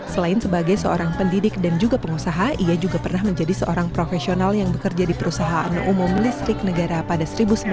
selain sebagai seorang pendidik dan juga pengusaha ia juga pernah menjadi seorang profesional yang bekerja di perusahaan umum listrik negara pada seribu sembilan ratus sembilan puluh